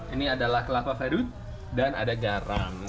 ini adalah kelapa fairut dan ada garam